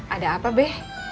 ada apa be